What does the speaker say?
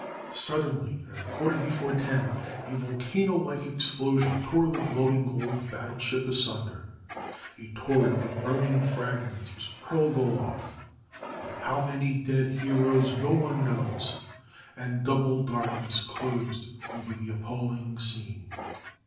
Suddenly, at a quarter before ten, a volcano like explosion tore the glowing old battle ship asunder, a torrent of burning fragments was hurled aloft,—with how many dead heroes, no one knows,—and double darkness closed over the appalling scene.